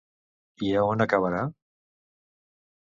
I a on acabarà?